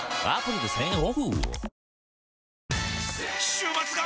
週末が！！